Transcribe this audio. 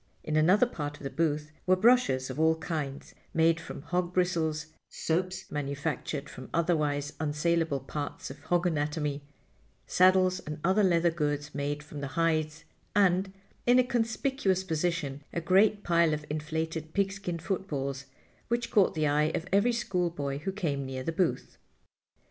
In another part of the booth were brushes of all kinds made from hog bristles, soaps manufactured from otherwise unsalable parts of hog anatomy, saddles and other leather goods made from the hides, and—in a conspicuous position—a great pile of inflated pigskin footballs, which caught the eye of every schoolboy who came near the booth.